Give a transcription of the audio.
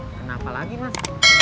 kenapa lagi mas